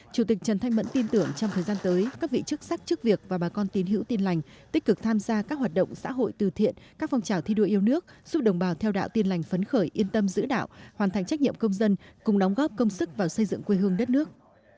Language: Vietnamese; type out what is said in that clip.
chủ tịch trần thanh mẫn tin tưởng trong thời gian tới các vị chức sắc chức việc và bà con tin hữu tin lành tích cực tham gia các hoạt động xã hội từ thiện các phong trào thi đua yêu nước giúp đồng bào theo đạo tin lành phấn khởi yên tâm giữ đạo hoàn thành trách nhiệm công dân cùng đóng góp công sức vào xây dựng quê hương đất nước